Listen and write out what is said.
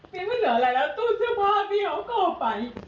พี่อยากจะรออะไรเอาเที่ยวผ้ากอกไป